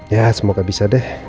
ya semoga bisa deh